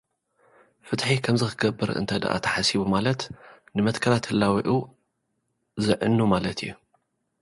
ፍትሒ ከምዚ ክገብር እንተዳኣ ተሓሲቡ ማለት፡ ንመትከላት ህላዌኡ ዝዕኑ ማለት እዩ።